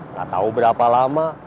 nggak tau berapa lama